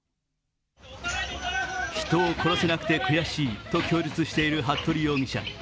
人を殺せなくて悔しいと供述している服部容疑者。